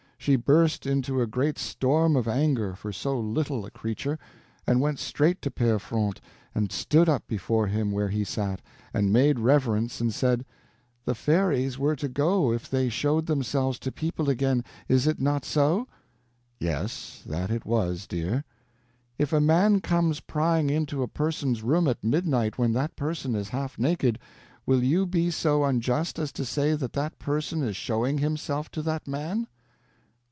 She burst into a great storm of anger, for so little a creature, and went straight to Pere Fronte, and stood up before him where he sat, and made reverence and said: "The fairies were to go if they showed themselves to people again, is it not so?" "Yes, that was it, dear." "If a man comes prying into a person's room at midnight when that person is half naked, will you be so unjust as to say that that person is showing himself to that man?"